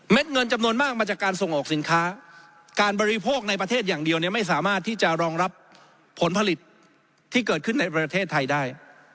เงินจำนวนมากมาจากการส่งออกสินค้าการบริโภคในประเทศอย่างเดียวเนี่ยไม่สามารถที่จะรองรับผลผลิตที่เกิดขึ้นในประเทศไทยได้